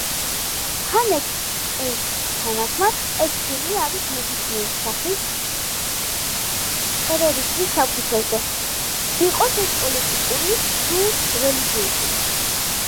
ჰანეკეს თანახმად, ეს ფილმი არის „ნებისმიერ სახის ტერორიზმის საფუძვლებზე, იყოს ეს პოლიტიკური თუ რელიგიური“.